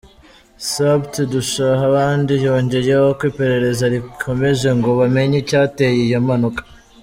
Supt Ndushabandi yongeyeho ko iperereza rigikomeje ngo bamenye icyateye iyo mpanuka.